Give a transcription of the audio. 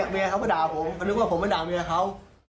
เมียเขาก็ด่าผมก็นึกว่าผมมาด่าเมียเขา